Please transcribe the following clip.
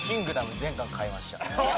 全巻買いました